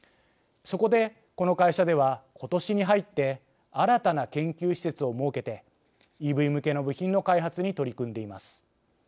そこでこの会社ではことしに入って新たな研究施設を設けてＥＶ向けの部品の開発に取り組んでいます。